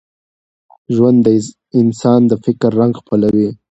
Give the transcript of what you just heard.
ژوند د انسان د فکر رنګ خپلوي.